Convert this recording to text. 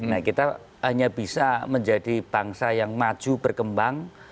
nah kita hanya bisa menjadi bangsa yang maju berkembang